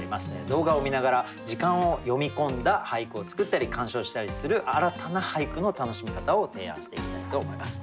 動画を観ながら時間を詠み込んだ俳句を作ったり鑑賞したりする新たな俳句の楽しみ方を提案していきたいと思います。